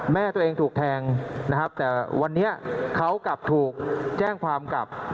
แม่ตัวเองถูกแทงนะครับแต่วันนี้เขากลับถูกแจ้งความกับ